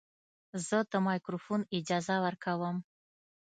زه د مایکروفون اجازه ورکوم.